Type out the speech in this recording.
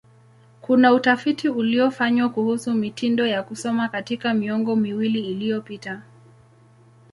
Kuna utafiti uliofanywa kuhusu mitindo ya kusoma katika miongo miwili iliyopita.